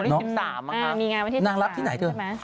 วันที่๑๓มั้ยคะนางรักที่ไหนเธอ